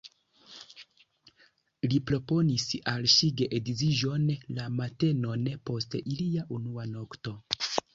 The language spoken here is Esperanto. Li proponis al ŝi geedziĝon la matenon post ilia unua nokto.